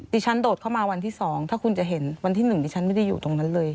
โดดเข้ามาวันที่๒ถ้าคุณจะเห็นวันที่๑ดิฉันไม่ได้อยู่ตรงนั้นเลย